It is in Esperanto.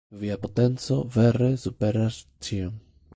Via potenco vere superas ĉion.